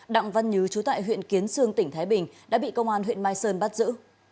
đặng văn nhứ chú tại huyện kiến sương tỉnh thái bình đã bị công an huyện mai sơn bắt giữ